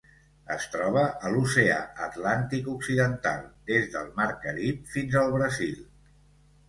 Es troba a l'Oceà Atlàntic occidental: des del Mar Carib fins al Brasil.